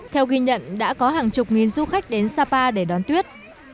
theo ghi nhận đã có hàng chục nghìn du khách đến sapa để đón tuyết